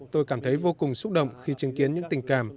tôi cảm thấy vô cùng xúc động khi chứng kiến những tình cảm